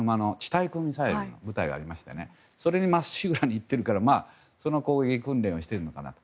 対空ミサイル基地の部隊がありましてそれにまっしぐらに行ってるから攻撃訓練をしているのかなと。